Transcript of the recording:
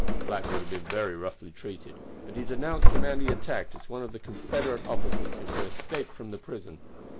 The black would have been very roughly treated, but he denounced the man he had attacked as one of the Confederate officers who had escaped from the prison.